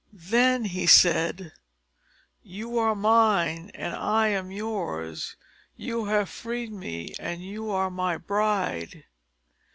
Then he said, "You are mine, and I am yours, you have freed me, and you are my bride."